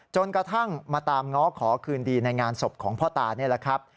จนกระทั่งมาตามง้อขอคืนดีในงานศพของพ่อตานี่แหละครับ